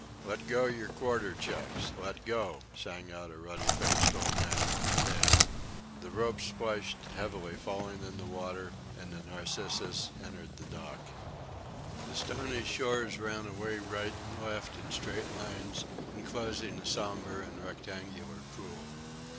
"Let go your quarter checks! Let go!" sang out a ruddy faced old man on the quay. The ropes splashed heavily falling in the water, and the Narcissus entered the dock. The stony shores ran away right and left in straight lines, enclosing a sombre and rectangular pool.